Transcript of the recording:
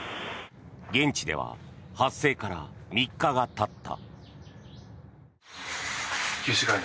現地では発生から３日がたった。